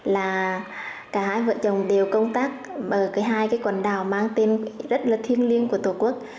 là cả hai vợ chồng đều công tác ở cái hai cái quần đảo mang tên rất là thiêng liêng của tổ quốc